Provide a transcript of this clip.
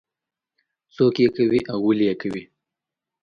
څوک یې کوي او ولې یې کوي.